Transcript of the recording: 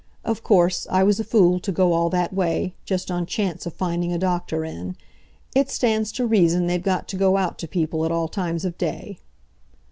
"Of course, I was a fool to go all that way, just on chance of finding a doctor in. It stands to reason they've got to go out to people at all times of day."